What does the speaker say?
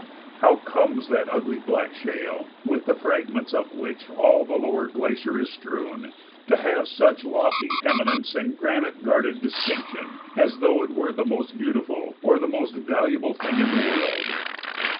How comes that ugly black shale, with the fragments of which all the lower glacier is strewn, to have such lofty eminence and granite guarded distinction, as though it were the most beautiful or the most valuable thing in the world?